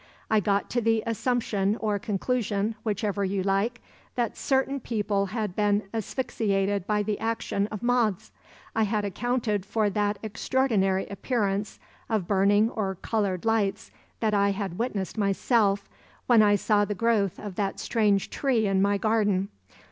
I got to the assumption or conclusion, whichever you like, that certain people had been asphyxiated by the action of moths. I had accounted for that extraordinary appearance of burning or colored lights that I had witnessed myself, when I saw the growth of that strange tree in my garden.